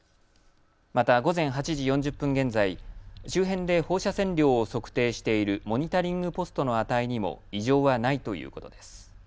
また午前８時４０分現在周辺で放射線量を測定しているモニタリングポストの値にも異常はないということです。